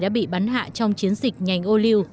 đã bị bắn hạ trong chiến dịch nhành ô lưu